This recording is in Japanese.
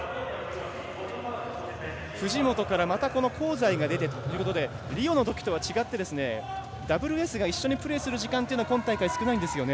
藤本からまた香西が出てということでリオのときとは違ってダブルエースが一緒にプレーする時間というのは今大会少ないんですよね。